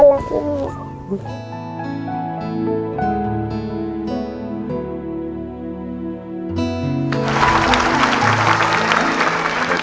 ฉันก็รักลูก